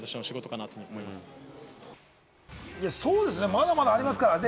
まだまだありますからね。